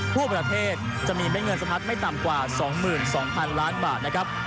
ผู้ประเทศจะมีเงินสถัทไม่ต่ำกว่าสองหมื่นสองพันล้านบาทนะครับ